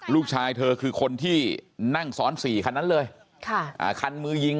ลูกชายเธอคือคนที่นั่งซ้อนสี่คันนั้นเลยค่ะอ่าคันมือยิง